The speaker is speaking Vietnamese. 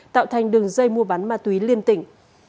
tạo thành đường dây mua bán ma túy liên tỉnh